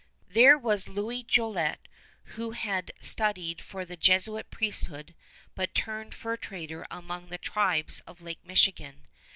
There was Louis Jolliet, who had studied for the Jesuit priesthood but turned fur trader among the tribes of Lake Michigan.